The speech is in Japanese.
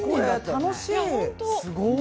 楽しい！